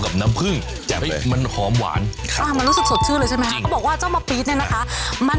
กับน้ำผึ้งจะพี่มันหอมหวานเลยใช่ไหมค่ะบอกว่าเจ้าปีนในนะคะมัน